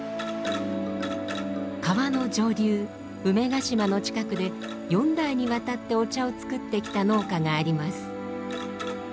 川の上流梅ヶ島の近くで４代にわたってお茶を作ってきた農家があります。